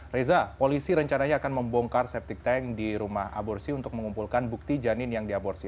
reza polisi rencananya akan membongkar septic tank di rumah aborsi untuk mengumpulkan bukti janin yang diaborsi